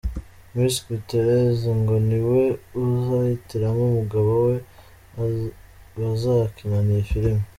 Miss Gutierrez ngo ni we uzihitiramo umugabo bazakinana iyi film.